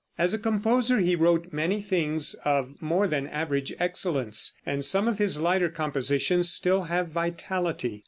As a composer he wrote many things of more than average excellence, and some of his lighter compositions still have vitality.